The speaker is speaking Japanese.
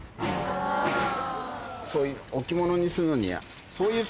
そういう置物にするのには。